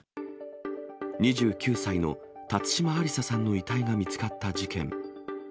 ２９歳の辰島ありささんの遺体が見つかった事件。